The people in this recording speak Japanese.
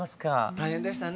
大変でしたね